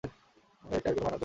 এর কি আর কোনো মানে হতে পারে?